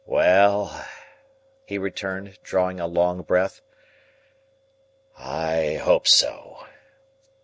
"Well," he returned, drawing a long breath, "I hope so."